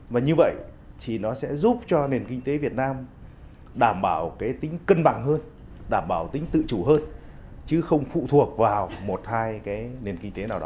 và như vậy thì nó sẽ giúp cho nền kinh tế việt nam đảm bảo cái tính cân bằng hơn đảm bảo tính tự chủ hơn chứ không phụ thuộc vào một hai cái nền kinh tế nào đó